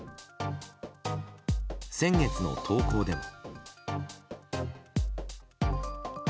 先月の投稿でも。